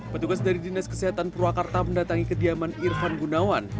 petugas dari dinas kesehatan purwakarta mendatangi kediaman irfan gunawan